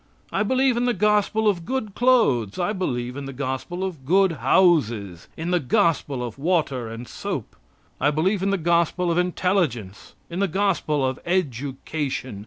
I believe in the gospel of good clothes. I believe in the gospel of good houses, in the gospel of water and soap. I believe in the gospel of intelligence, in the gospel of education.